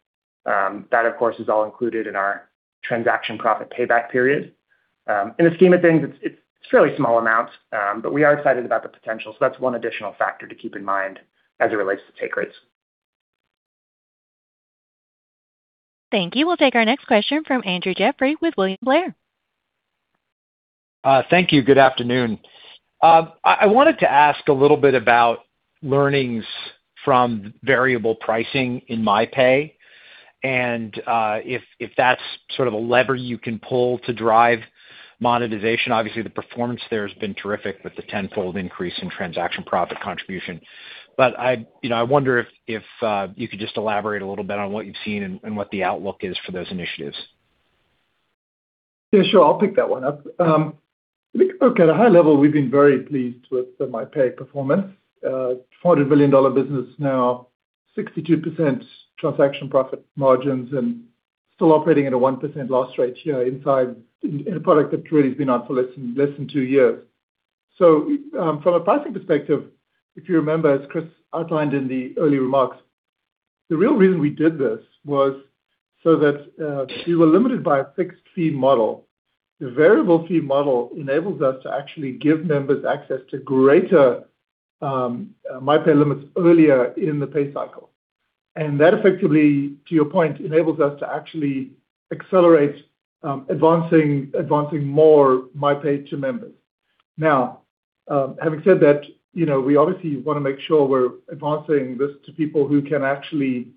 [SPEAKER 4] That, of course, is all included in our transaction profit payback period. In the scheme of things, it's fairly small amounts, but we are excited about the potential. That's one additional factor to keep in mind as it relates to take rates.
[SPEAKER 1] Thank you. We'll take our next question from Andrew Jeffrey with William Blair.
[SPEAKER 10] Thank you. Good afternoon. I wanted to ask a little bit about learnings from variable pricing in MyPay and if that's sort of a lever you can pull to drive monetization. Obviously, the performance there has been terrific with the 10-fold increase in transaction profit contribution. I, you know, I wonder if you could just elaborate a little bit on what you've seen and what the outlook is for those initiatives.
[SPEAKER 6] Yeah, sure. I'll pick that one up. Look, at a high level, we've been very pleased with the MyPay performance. $40 billion business now, 62% transaction profit margins and still operating at a 1% loss rate here inside in a product that really has been out for less than two years. From a pricing perspective, if you remember, as Chris outlined in the early remarks, the real reason we did this was that we were limited by a fixed fee model. The variable fee model enables us to actually give members access to greater MyPay limits earlier in the pay cycle. That effectively, to your point, enables us to actually accelerate advancing more MyPay to members. Having said that, you know, we obviously wanna make sure we're advancing this to people who can actually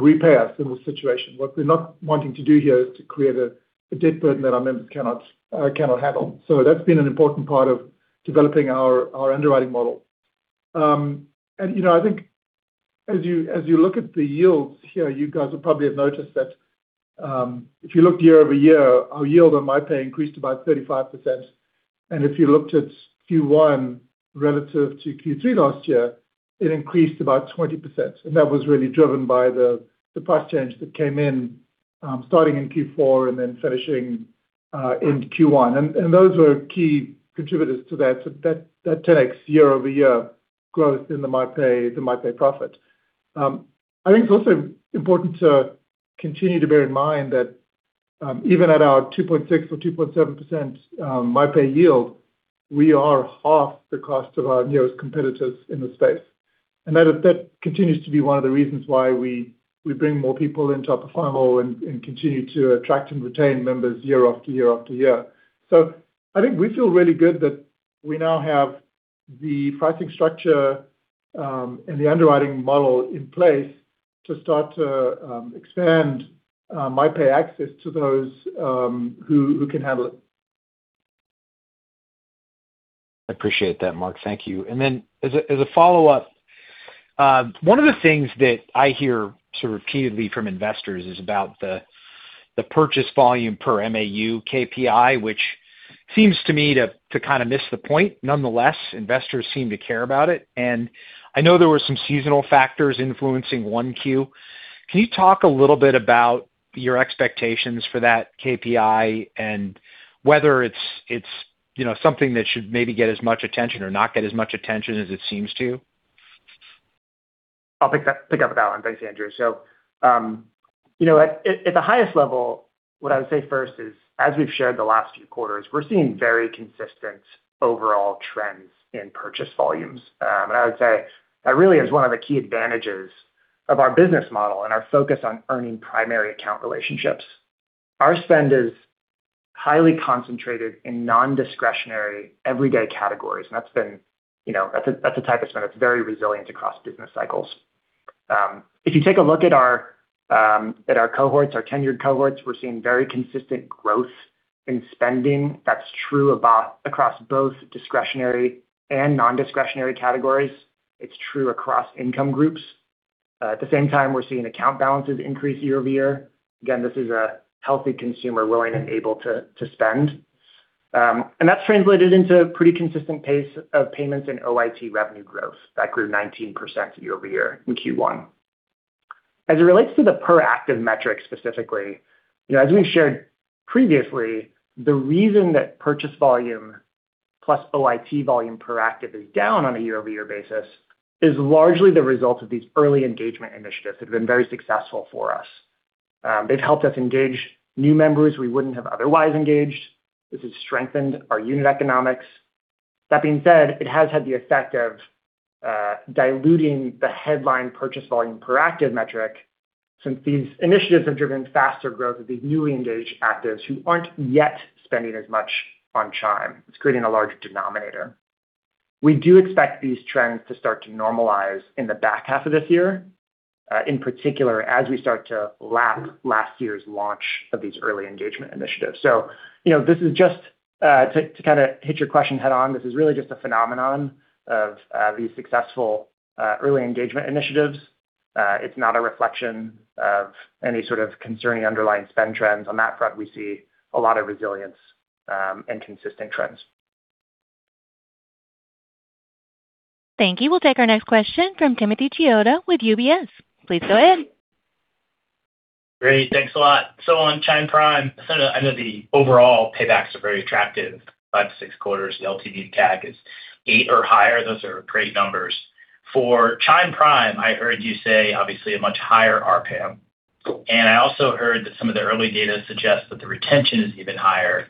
[SPEAKER 6] repay us in this situation. What we're not wanting to do here is to create a debt burden that our members cannot handle. That's been an important part of developing our underwriting model. You know, I think as you look at the yields here, you guys will probably have noticed that if you looked year-over-year, our yield on MyPay increased about 35%. If you looked at Q1 relative to Q3 last year, it increased about 20%. That was really driven by the price change that came in starting in Q4 and then finishing in Q1. Those were key contributors to that. That takes year-over-year growth in the MyPay profit. I think it's also important to continue to bear in mind that even at our 2.6% or 2.7% MyPay yield, we are half the cost of our nearest competitors in the space. That continues to be one of the reasons why we bring more people into our portfolio and continue to attract and retain members year after year after year. I think we feel really good that we now have the pricing structure and the underwriting model in place to start to expand MyPay access to those who can handle it.
[SPEAKER 10] I appreciate that, Mark. Thank you. Then as a, as a follow-up, one of the things that I hear sort of repeatedly from investors is about the purchase volume per MAU KPI, which seems to me to kinda miss the point. Nonetheless, investors seem to care about it, and I know there were some seasonal factors influencing Q1. Can you talk a little bit about your expectations for that KPI and whether it's, you know, something that should maybe get as much attention or not get as much attention as it seems to?
[SPEAKER 4] I'll pick up that one. Thanks, Andrew. You know, at the highest level, what I would say first is, as we've shared the last few quarters, we're seeing very consistent overall trends in purchase volumes. I would say that really is one of the key advantages of our business model and our focus on earning primary account relationships. Our spend is highly concentrated in non-discretionary everyday categories, you know, that's a type of spend that's very resilient across business cycles. If you take a look at our cohorts, our tenured cohorts, we're seeing very consistent growth in spending, that's true across both discretionary and non-discretionary categories. It's true across income groups. At the same time, we're seeing account balances increase year-over-year. Again, this is a healthy consumer willing and able to spend. That's translated into pretty consistent pace of payments in OIT revenue growth. That grew 19% year-over-year in Q1. As it relates to the per active metrics specifically, you know, as we shared previously, the reason that purchase volume plus OIT volume per active is down on a year-over-year basis is largely the result of these early engagement initiatives that have been very successful for us. They've helped us engage new members we wouldn't have otherwise engaged. This has strengthened our unit economics. That being said, it has had the effect of diluting the headline purchase volume per active metric since these initiatives have driven faster growth of these newly engaged actives who aren't yet spending as much on Chime. It's creating a larger denominator. We do expect these trends to start to normalize in the back half of this year, in particular, as we start to lap last year's launch of these early engagement initiatives. You know, to kind of hit your question head on, this is really just a phenomenon of these successful early engagement initiatives. It's not a reflection of any sort of concerning underlying spend trends. On that front, we see a lot of resilience and consistent trends.
[SPEAKER 1] Thank you. We'll take our next question from Timothy Chiodo with UBS. Please go ahead.
[SPEAKER 11] Great. Thanks a lot. On Chime Prime, I know the overall paybacks are very attractive. Five to six quarters, the LTV to CAC is eight or higher. Those are great numbers. For Chime Prime, I heard you say obviously a much higher RPAM, and I also heard that some of the early data suggests that the retention is even higher.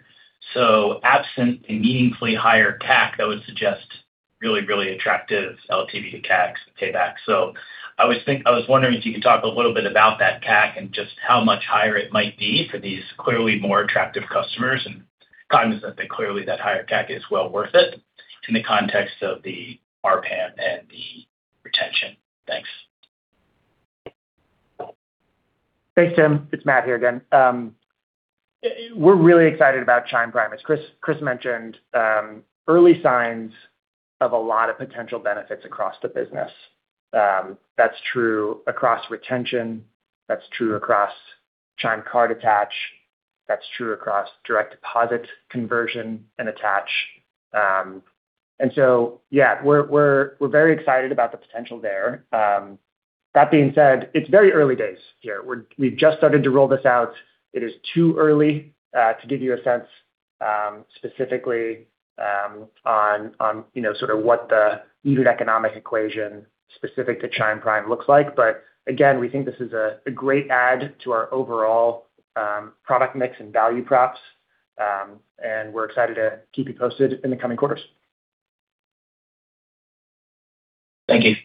[SPEAKER 11] Absent a meaningfully higher CAC, that would suggest really, really attractive LTV to CAC paybacks. I was wondering if you could talk a little bit about that CAC and just how much higher it might be for these clearly more attractive customers. Cognizant that clearly that higher CAC is well worth it in the context of the RPAM and the retention. Thanks.
[SPEAKER 4] Thanks, Tim. It's Matt here again. We're really excited about Chime Prime. As Chris mentioned, early signs of a lot of potential benefits across the business. That's true across retention. That's true across Chime Card attach. That's true across direct deposit conversion and attach. Yeah, we're very excited about the potential there. That being said, it's very early days here. We've just started to roll this out. It is too early to give you a sense, specifically, on, you know, sort of what the unit economic equation specific to Chime Prime looks like. Again, we think this is a great add to our overall product mix and value props. We're excited to keep you posted in the coming quarters.
[SPEAKER 11] Thank you.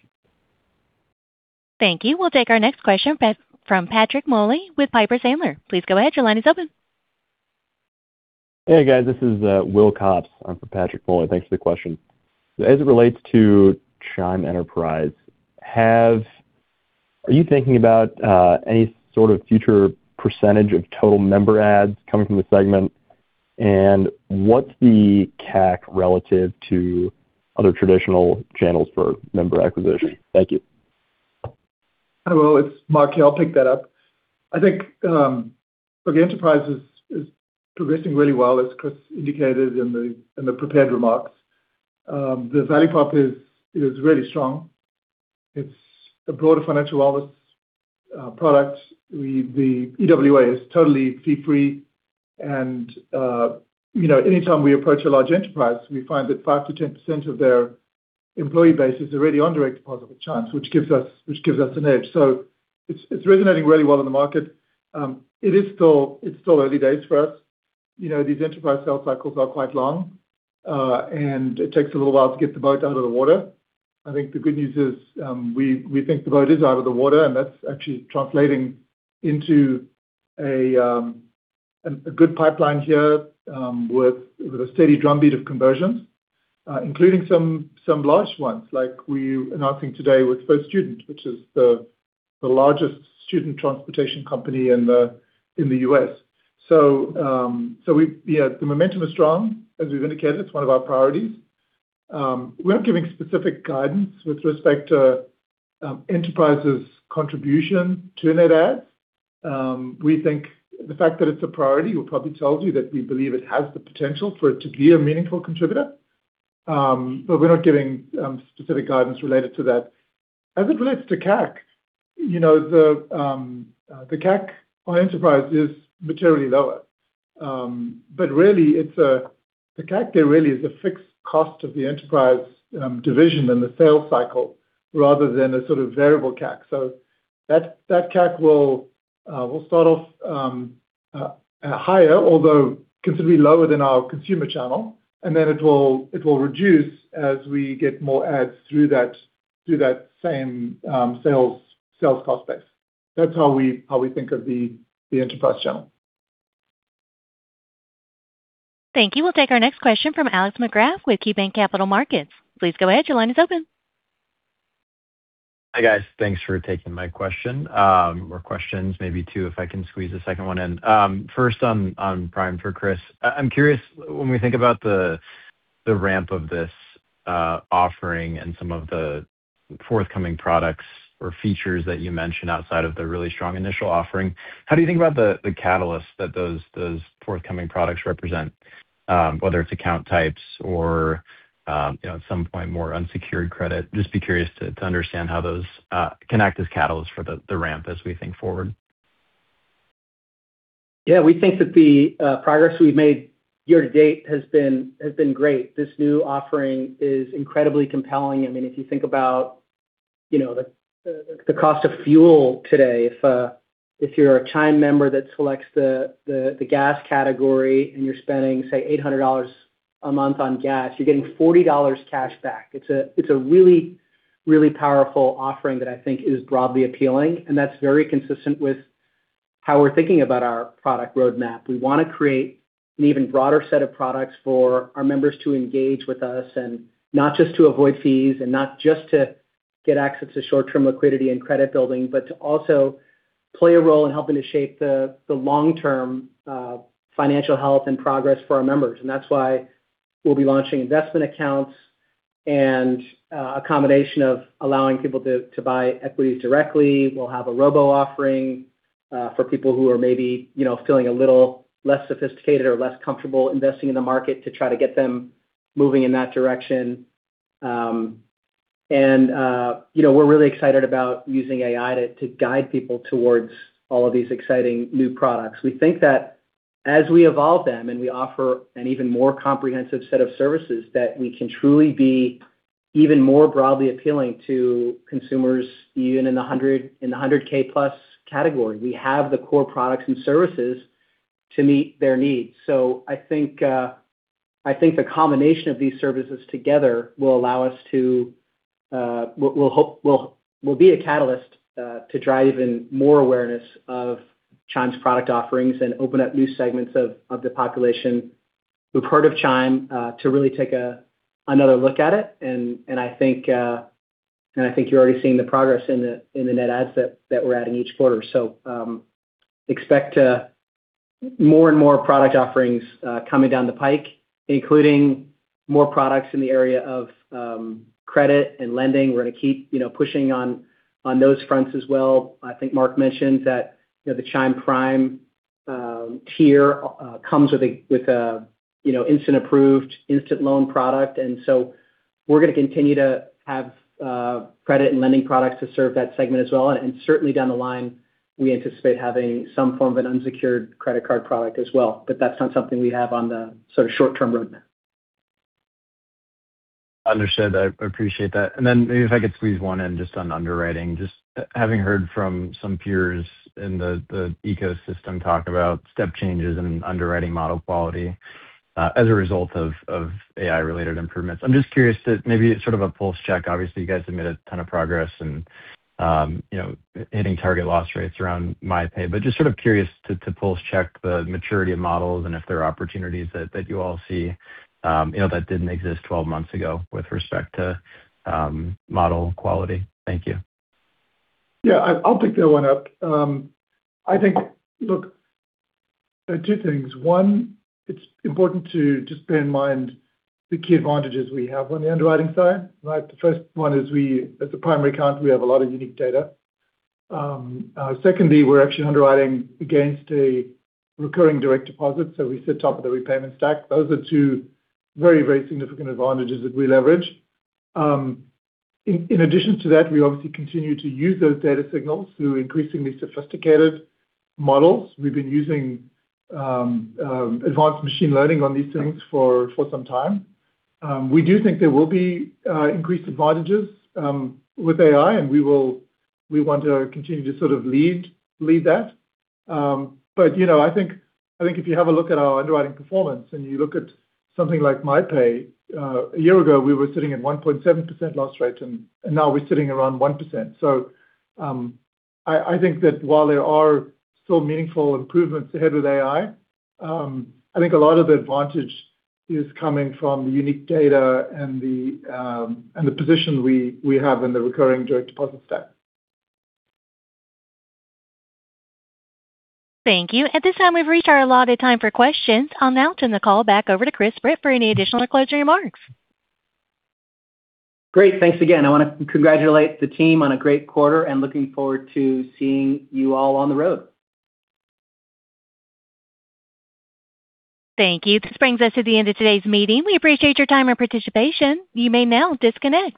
[SPEAKER 1] Thank you. We'll take our next question from Patrick Moley with Piper Sandler. Please go ahead. Your line is open.
[SPEAKER 12] Hey, guys. This is Will Copps. I'm from Patrick Moley. Thanks for the question. As it relates to Chime Enterprise, are you thinking about any sort of future percentage of total member adds coming from the segment? What's the CAC relative to other traditional channels for member acquisition? Thank you.
[SPEAKER 6] Hi, Will. It's Mark here. I'll pick that up. I think, the enterprise is progressing really well, as Chris indicated in the prepared remarks. The value prop is really strong. It's a broader financial wellness product. The EWA is totally fee-free and, you know, anytime we approach a large enterprise, we find that 5%-10% of their employee base is already on direct deposit with Chime, which gives us an edge. It's resonating really well in the market. It's still early days for us. You know, these enterprise sales cycles are quite long, and it takes a little while to get the boat out of the water. I think the good news is, we think the boat is out of the water, and that's actually translating into a good pipeline here, with a steady drumbeat of conversions, including some large ones like we're announcing today with First Student, which is the largest student transportation company in the U.S. The momentum is strong. As we've indicated, it's one of our priorities. We're not giving specific guidance with respect to Enterprise's contribution to net add. We think the fact that it's a priority will probably tell you that we believe it has the potential for it to be a meaningful contributor. We're not giving specific guidance related to that. As it relates to CAC, you know, the CAC on Enterprise is materially lower. Really it's the CAC there really is a fixed cost of the enterprise division and the sales cycle rather than a sort of variable CAC. That CAC will start off higher, although considerably lower than our consumer channel, and then it will reduce as we get more adds through that, through that same sales cost base. That's how we think of the enterprise channel.
[SPEAKER 1] Thank you. We'll take our next question from Alex Markgraff with KeyBanc Capital Markets. Please go ahead. Your line is open.
[SPEAKER 13] Hi, guys. Thanks for taking my question, or questions, maybe two, if I can squeeze a second one in. First on Prime for Chris. I'm curious, when we think about the ramp of this offering and some of the forthcoming products or features that you mentioned outside of the really strong initial offering, how do you think about the catalyst that those forthcoming products represent, whether it's account types or, you know, at some point more unsecured credit? Just be curious to understand how those can act as catalysts for the ramp as we think forward.
[SPEAKER 3] Yeah. We think that the progress we've made year to date has been great. This new offering is incredibly compelling. I mean, if you think about, you know, the cost of fuel today. If you're a Chime member that selects the gas category and you're spending, say, $800 a month on gas, you're getting $40 cash back. It's a really, really powerful offering that I think is broadly appealing, and that's very consistent with how we're thinking about our product roadmap. We wanna create an even broader set of products for our members to engage with us and not just to avoid fees and not just to get access to short-term liquidity and credit building, but to also play a role in helping to shape the long-term financial health and progress for our members. That's why we'll be launching investment accounts, a combination of allowing people to buy equities directly. We'll have a robo offering, for people who are maybe, you know, feeling a little less sophisticated or less comfortable investing in the market to try to get them moving in that direction. You know, we're really excited about using AI to guide people towards all of these exciting new products. We think that as we evolve them and we offer an even more comprehensive set of services, that we can truly be even more broadly appealing to consumers, even in the $100,000 plus category. We have the core products and services to meet their needs. I think, I think the combination of these services together will allow us to, will be a catalyst to drive even more awareness of Chime's product offerings and open up new segments of the population who've heard of Chime to really take another look at it. I think, I think you're already seeing the progress in the net adds that we're adding each quarter. Expect more and more product offerings coming down the pike, including more products in the area of credit and lending. We're gonna keep, you know, pushing on those fronts as well. I think Mark mentioned that, you know, the Chime Prime tier comes with a, you know, instant approved instant loan product. We're gonna continue to have credit and lending products to serve that segment as well. Down the line, we anticipate having some form of an unsecured credit card product as well. That's not something we have on the sort of short-term roadmap.
[SPEAKER 13] Understood. I appreciate that. Maybe if I could squeeze one in just on underwriting. Having heard from some peers in the ecosystem talk about step changes in underwriting model quality as a result of AI-related improvements. Curious to maybe sort of a pulse check. Obviously, you guys have made a ton of progress and, you know, hitting target loss rates around MyPay. Sort of curious to pulse check the maturity of models and if there are opportunities that you all see, you know, that didn't exist 12 months ago with respect to model quality. Thank you.
[SPEAKER 6] Yeah. I'll pick that one up. I think Look, there are two things. One, it's important to just bear in mind the key advantages we have on the underwriting side, right? The first one is we, as a primary account, we have a lot of unique data. Secondly, we're actually underwriting against a recurring direct deposit, so we sit top of the repayment stack. Those are two very significant advantages that we leverage. In addition to that, we obviously continue to use those data signals through increasingly sophisticated models. We've been using advanced machine learning on these things for some time. We do think there will be increased advantages with AI, and we want to continue to sort of lead that. You know, I think if you have a look at our underwriting performance and you look at something like MyPay, a year ago, we were sitting at 1.7% loss rate, and now we're sitting around 1%. I think that while there are still meaningful improvements ahead with AI, I think a lot of the advantage is coming from the unique data and the position we have in the recurring direct deposit stack.
[SPEAKER 1] Thank you. At this time, we've reached our allotted time for questions. I'll now turn the call back over to Chris Britt for any additional or closing remarks.
[SPEAKER 3] Great. Thanks again. I wanna congratulate the team on a great quarter, and looking forward to seeing you all on the road.
[SPEAKER 1] Thank you. This brings us to the end of today's meeting. We appreciate your time and participation. You may now disconnect.